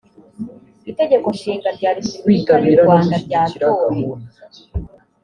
itegeko nshinga rya repubulika yu rwanda ryatowe